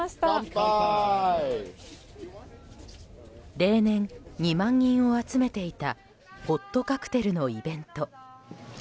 例年、２万人を集めていたホットカクテルのイベント。